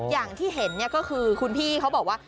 อย่างที่เห็นก็คือคุณพี่เขาบอกว่า